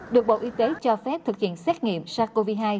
được bộ y tế cho phép thực hiện xét nghiệm sars cov hai